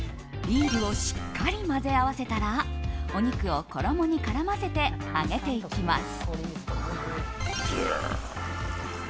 ビールをしっかり混ぜ合わせたらお肉を衣に絡ませて揚げていきます。